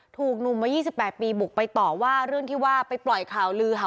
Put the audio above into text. ถูกหนุ่มมา๒๘ปีบุกไปต่อว่าเรื่องที่ว่าไปปล่อยข่าวลือค่ะ